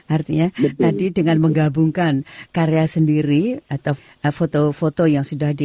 artinya tadi dengan menggabungkan karya sendiri atau foto foto yang sudah di